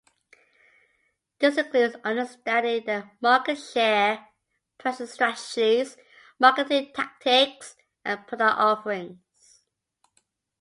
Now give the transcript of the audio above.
This includes understanding their market share, pricing strategies, marketing tactics, and product offerings.